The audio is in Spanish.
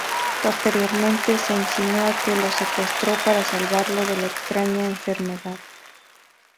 Posteriormente se insinúa que lo secuestró para salvarlo de la extraña enfermedad.